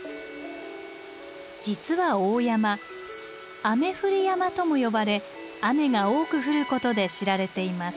実は大山「雨降り山」とも呼ばれ雨が多く降ることで知られています。